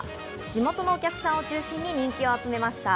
地元のお客さんを中心に人気を集めました。